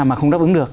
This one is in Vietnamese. mà không đáp ứng được